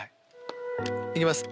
行きます。